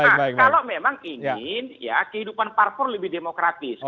kalau memang ingin kehidupan parpor lebih demokratis